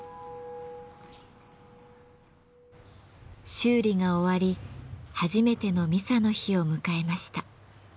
修理が終わり初めてのミサの日を迎えました。